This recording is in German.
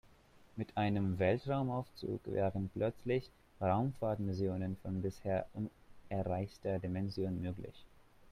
Mit einem Weltraumaufzug wären plötzlich Raumfahrtmissionen von bisher unerreichter Dimension möglich.